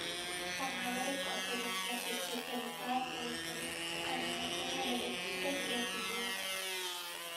Formadora y conferenciante especializada en poesía, animación a la lectura y creatividad.